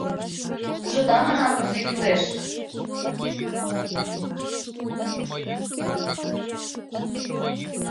— Ужыда, — манам, — кузе кӱлеш!